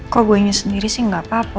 kalau gue ingin sendiri sih enggak apa apa